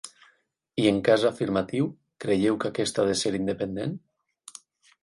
I en cas afirmatiu, creieu que aquest ha de ser independent?.